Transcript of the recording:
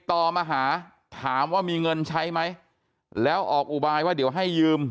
ต่อมาหาถามว่ามีเงินใช้ไหมแล้วออกอุบายว่าเดี๋ยวให้ยืม